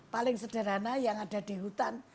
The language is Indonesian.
paling sederhana yang ada di hutan